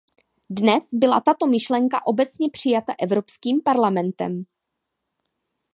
Dnes byla tato myšlenka obecně přijata Evropským parlamentem.